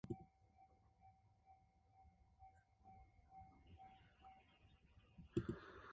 서운한 듯이 떠날 줄 모르다가 하나씩 둘씩 흩어졌다.